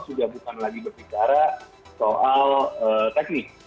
sudah bukan lagi berbicara soal teknik